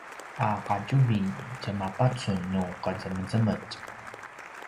a qatjuvi tjamapacun nu qezemezemetj